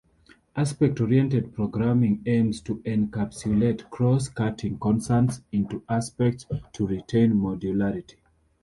Aspect-oriented programming aims to encapsulate cross-cutting concerns into aspects to retain modularity.